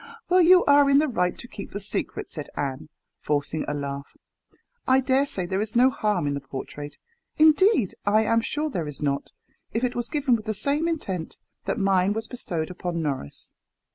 "Well, you are in the right to keep the secret," said Anne, forcing a laugh. "I dare say there is no harm in the portrait indeed, I am sure there is not, if it was given with the same intent that mine was bestowed upon Norris.